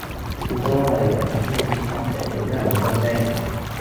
正所謂，人怕出名豬怕肥，你都係唔好咁張揚啦